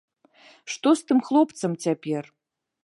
Што з тым хлопцам цяпер?